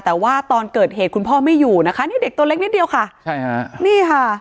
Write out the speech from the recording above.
แต่ว่าตอนเกิดเหตุคุณพ่อไม่อยู่นะคะนี่เด็กตัวเล็กนิดเดียวค่ะใช่ค่ะนี่ค่ะ